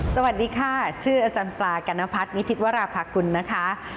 สวัสดีค่ะชื่ออาจารย์ปลากัณพัฒนิทิศวราภากุลนะคะ